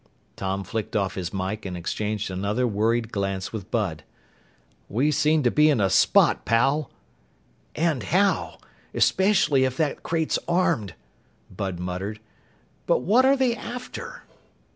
_" Tom flicked off his mike and exchanged another worried glance with Bud. "We seem to be in a spot, pal!" "And how! Especially if that crate's armed!" Bud muttered. "But what are they after?"